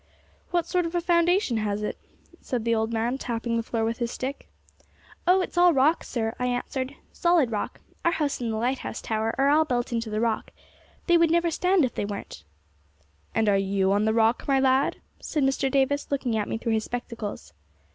'What sort of a foundation has it?' said the old man, tapping the floor with his stick. 'Oh, it's all rock, sir,' I answered, 'solid rock; our house and the lighthouse tower are all built into the rock; they would never stand if they weren't' 'And are you on the Rock, my lad?' said Mr. Davis, looking at me through his spectacles.